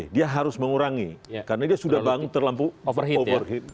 dia harus mengurangi karena dia sudah terlampu overheat